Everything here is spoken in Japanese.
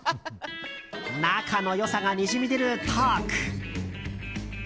仲の良さがにじみ出るトーク。